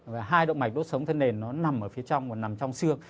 và hai động mạch đốt sống thân nền nó nằm ở phía trong và nằm trong xương